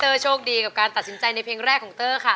โชคดีกับการตัดสินใจในเพลงแรกของเตอร์ค่ะ